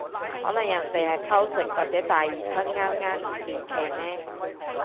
可能人哋係偷食或者第二春啱啱熱戀期呢